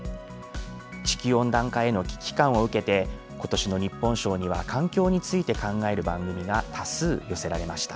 地球温暖化への危機感を受けて今年の日本賞には環境について考える番組が多数寄せられました。